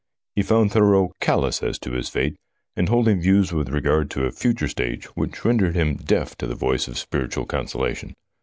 He found Thurreau callous as to his fate, and holding views with regard to a future state which rendered him deaf to the voice of spiritual consolation.